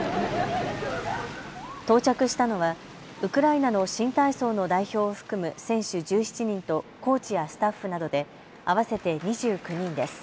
到着したのはウクライナの新体操の代表を含む選手１７人とコーチやスタッフなどで合わせて２９人です。